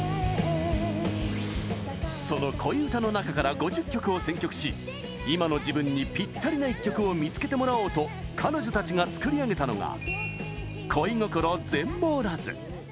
その恋うたの中から５０曲を選曲し今の自分にぴったりな一曲を見つけてもらおうと彼女たちが作り上げたのが「恋心全網羅図」。